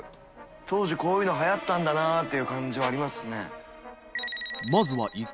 郝Ⅳ海ΔいΔ里はやったんだなていう感じはありますね。